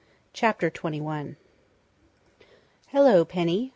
CHAPTER TWENTY ONE "Hello, Penny!"